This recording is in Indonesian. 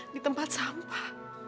di tempat sampah